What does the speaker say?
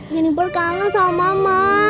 jennifer kangen sama mama